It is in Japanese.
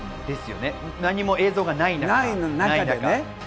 何も映像がない中ね。